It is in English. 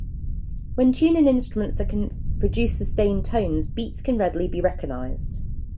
When tuning instruments that can produce sustained tones, beats can readily be recognized.